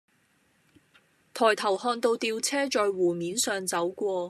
抬頭看到吊車在湖面上走過